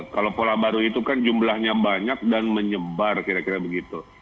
kalau pola baru itu kan jumlahnya banyak dan menyebar kira kira begitu